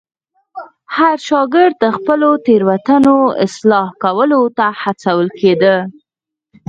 هر شاګرد د خپلو تېروتنو اصلاح کولو ته هڅول کېده.